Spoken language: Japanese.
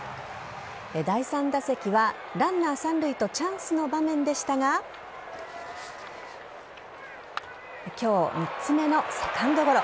第３打席は、ランナー三塁とチャンスの場面でしたが今日３つ目のセカンドゴロ。